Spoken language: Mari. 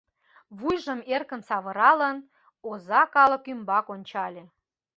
Вуйжым эркын савыралын, оза калык ӱмбак ончале.